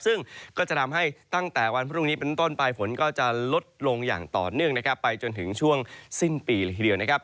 ซึ่งก็จะทำให้ตั้งแต่วันพรุ่งนี้เป็นต้นไปฝนก็จะลดลงอย่างต่อเนื่องนะครับไปจนถึงช่วงสิ้นปีละทีเดียวนะครับ